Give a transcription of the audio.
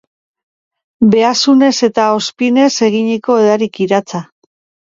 Behazunez eta ozpinez eginiko edari kiratsa.